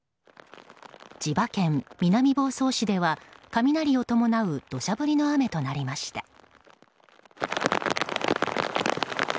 千葉県南房総市では雷を伴う土砂降りの雨となりました。